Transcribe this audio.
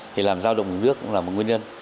thì làm giao động nguồn nước cũng là một nguyên nhân